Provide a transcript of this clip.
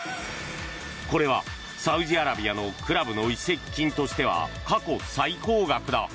これはサウジアラビアのクラブの移籍金としては過去最高額だ。